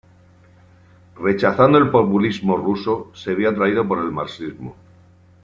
Rechazando el populismo ruso, se vio atraído por el marxismo.